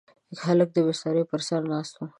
هلک د بسترې پر سر ناست و.